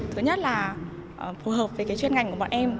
thứ nhất là phù hợp với cái chuyên ngành của bọn em